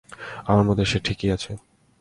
আমার মতে সে ঠিকই আছে।